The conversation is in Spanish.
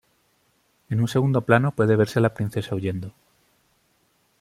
En un segundo plano puede verse a la princesa huyendo.